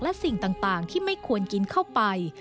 และสิ่งต่างที่ไม่ควรกินเข้าไป